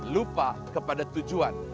lupa kepada tujuan